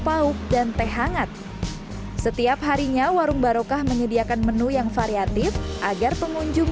pauk dan teh hangat setiap harinya warung barokah menyediakan menu yang variatif agar pengunjung